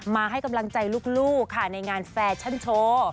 มาให้กำลังใจลูกค่ะในงานแฟชั่นโชว์